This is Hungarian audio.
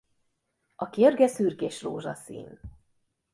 A kérge szürkés-rózsaszín.